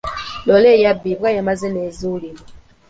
Loole eyabbibwa yamaze n'ezuulibwa.